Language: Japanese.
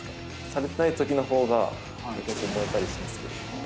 されてないときのほうが、逆に燃えたりしますけど。